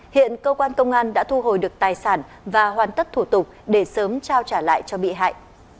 hiện cơ quan công an đã thu hồi được tài sản và hoàn tất thủ tục để sớm trao trả lại cho bị hại